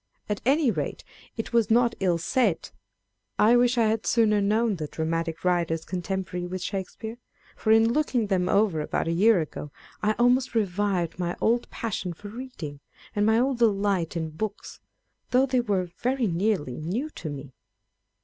At any rate, it was not ill said. I wish that I had sooner known the dramatic writers contemporary with Shakespeare ; for in looking them over about a year ago, I almost revived my old passion for reading, and my old delight in books, though they were very nearly new to me.